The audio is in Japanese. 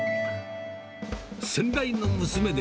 先代の娘で、